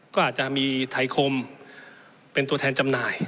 ก็อาจจะมีไทยคมเป็นตัวแทนจำหน่าย